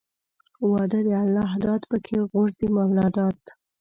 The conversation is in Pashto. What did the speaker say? واده د الله داد پکښې غورځي مولاداد.